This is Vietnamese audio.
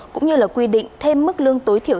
cũng như là quy định thêm mức lương tối thiểu